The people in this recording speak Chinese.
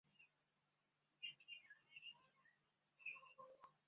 博扎克人口变化图示